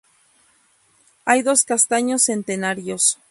Hay dos castaños centenarios.